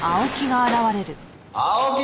青木！